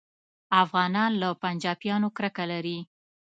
افغانان له پنجابیانو کرکه لري